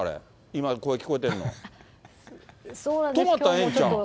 今、声聞こえてんの。